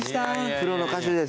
プロの歌手です。